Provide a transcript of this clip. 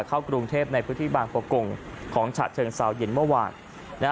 เข้ากรุงเทพในพื้นที่บางประกงของฉะเชิงเซาเย็นเมื่อวานนะฮะ